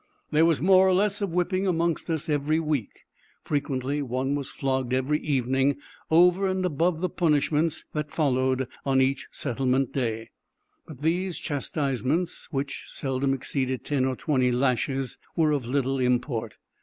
There was more or less of whipping amongst us every week; frequently one was flogged every evening, over and above the punishments that followed on each settlement day; but these chastisements, which seldom exceeded ten or twenty lashes, were of little import.